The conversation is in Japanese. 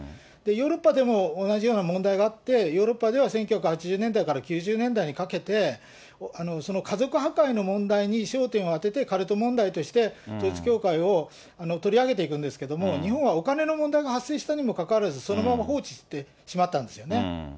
ヨーロッパでも同じような問題があって、ヨーロッパでは１９８０年代から９０年代にかけて、その家族破壊の問題に焦点を当ててカルト問題として、統一教会を取り上げていくんですけれども、日本はお金の問題が発生したにもかかわらず、そのまま放置してしまったんですよね。